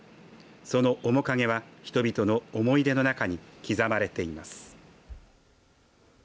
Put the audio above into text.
その面影は人々の思いでの中に刻まれています。